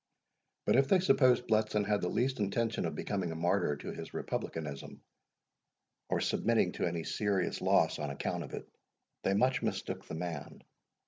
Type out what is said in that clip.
But if they supposed Bletson had the least intention of becoming a martyr to his republicanism, or submitting to any serious loss on account of it, they much mistook the man.